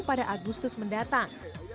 pada agustus mendatang